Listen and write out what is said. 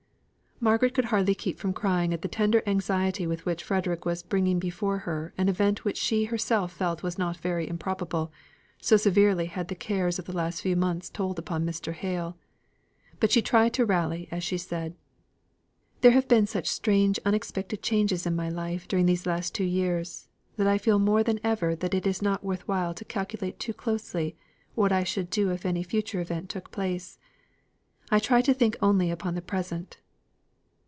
Margaret could hardly keep from crying at the tender anxiety with which Frederick was bringing before her an event which she herself felt was not very improbable, so severely had the cares of the last few months told upon Mr. Hale. But she tried to rally as she said: "There have been such strange unexpected changes in my life during these last two years, that I feel more than ever that it is not worth while to calculate too closely what I should do if any future event took place. I try to think only upon the present."